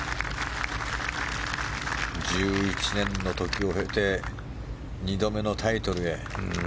１１年の時を経て２度目のタイトルへ。